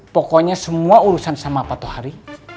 pokoknya semua urusan sama pak tohari